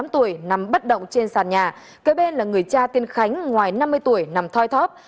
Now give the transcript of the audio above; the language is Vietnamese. bốn mươi tám tuổi nằm bất động trên sàn nhà cái bên là người cha tên khánh ngoài năm mươi tuổi nằm thoi thóp